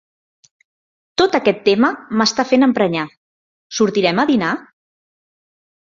Tota aquest tema m'està fent emprenyar. Sortirem a dinar?